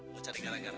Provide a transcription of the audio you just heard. mau cari gara gara